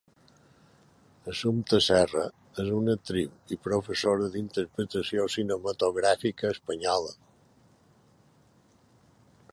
Assumpta Serra és una actriu i professora d'interpretació cinematogràfica espanyola.